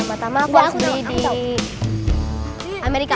tiba tiba aku sedih di amerika